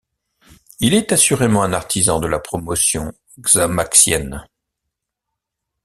Il est assurément un artisan de la promotion xamaxienne.